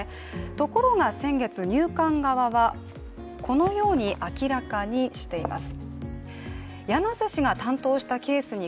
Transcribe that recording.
ところが先月入管側はこのように明らかにしています。